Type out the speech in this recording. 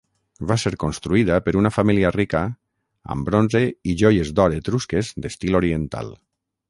Va ser construïda per una família rica amb bronze i joies d'or etrusques d'estil oriental.